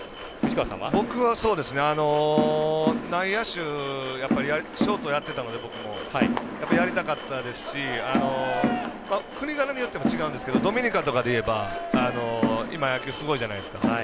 僕は内野手ショートやってたのでやりたかったですし国がらによっても違うんですけどドミニカとかでいえば今、野球すごいじゃないですか。